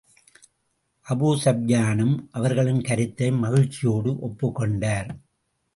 அபூஸூப்யானும் அவர்களின் கருத்தை மகிழ்ச்சியோடு ஒப்புக் கொண்டார்.